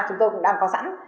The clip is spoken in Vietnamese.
chúng tôi cũng đang có sẵn